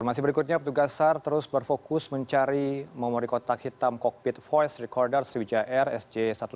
informasi berikutnya petugas sar terus berfokus mencari memori kotak hitam cockpit voice recorder sriwijaya air sj satu ratus delapan puluh